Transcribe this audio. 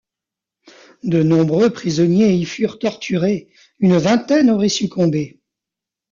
De nombreux prisonniers y furent torturés, une vingtaine aurait succombé.